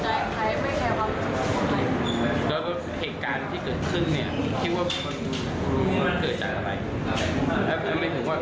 แล้วเขาก็จับตรงไหนบ้าง